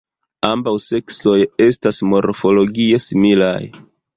Ambaŭ seksoj estas morfologie similaj.